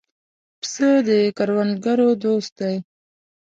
پسه د کروندګرو دوست دی.